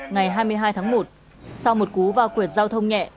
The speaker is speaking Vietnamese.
ngày hai mươi hai tháng một sau một cú va quyệt giao thông nhẹ